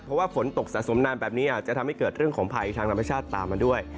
เพราะว่าฝนตกสะสมนานแบบนี้อาจจะทำให้เกิดเรื่องของภัยทางธรรมชาติตามมาด้วย